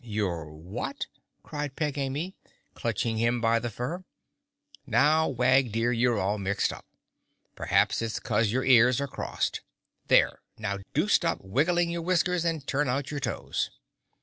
"Your what?" cried Peg Amy, clutching him by the fur. "Now Wag, dear, you're all mixed up. Perhaps it's 'cause your ears are crossed. There, now, do stop wiggling your whiskers and turn out your toes!"